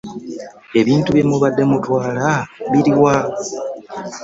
Ebintu bye mubadde mutwala biri wa?